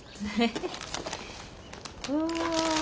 うわ。